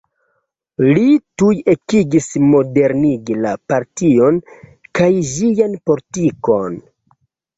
Li tuj ekigis modernigi la partion kaj ĝian politikon.